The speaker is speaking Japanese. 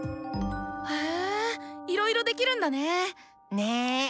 へぇいろいろできるんだね。ね。